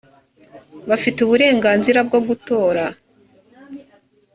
bafite uburenganzira bwo gutora